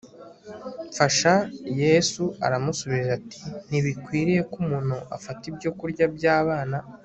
mfasha Yesu aramusubiza ati ntibikwiriye ko umuntu afata ibyokurya by abana